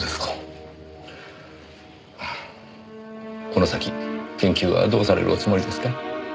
この先研究はどうされるおつもりですか？